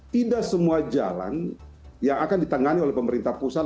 tidak semua jalan yang akan ditangani oleh pemerintah pusat